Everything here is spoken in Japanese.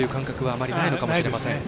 あまりないのかもしれません。